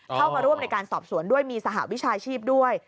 เข้ามาร่วมในการสอบสวนด้วยมีสหวิชาชีพด้วย